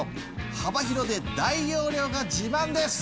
幅広で大容量が自慢です！